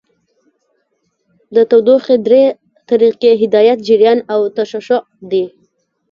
د تودوخې درې طریقې هدایت، جریان او تشعشع دي.